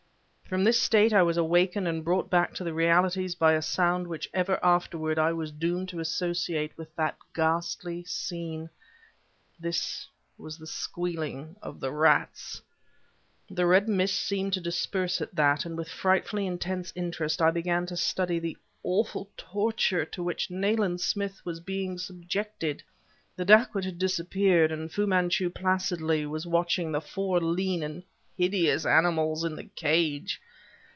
From this state I was awakened and brought back to the realities by a sound which ever afterward I was doomed to associate with that ghastly scene. This was the squealing of the rats. The red mist seemed to disperse at that, and with frightfully intense interest, I began to study the awful torture to which Nayland Smith was being subjected. The dacoit had disappeared, and Fu Manchu placidly was watching the four lean and hideous animals in the cage.